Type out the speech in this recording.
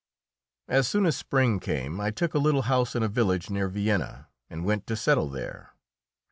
As soon as spring came I took a little house in a village near Vienna and went to settle there.